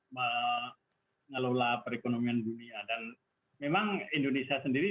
mengelola perekonomian dunia dan memang indonesia sendiri